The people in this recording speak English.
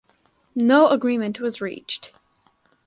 No agreement was reached.